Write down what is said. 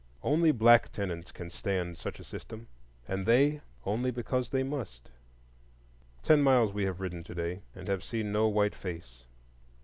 Only black tenants can stand such a system, and they only because they must. Ten miles we have ridden to day and have seen no white face.